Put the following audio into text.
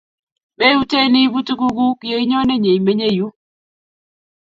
Meutye iipun tuguk kuk ye inyone nyeimenye yu